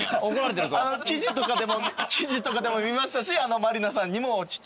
記事とかでも見ましたし満里奈さんにもお聞きして。